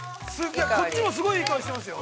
◆こっちもすごいいい香りをしていますよ。